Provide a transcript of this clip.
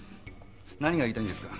何が言いたいんですか？